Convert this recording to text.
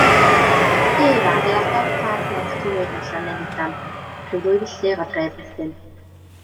Ef a adeiladodd Plas Nantclwyd yn Llanelidan, rhyw ddwy filltir o dref Rhuthun.